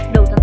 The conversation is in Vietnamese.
đầu tháng tám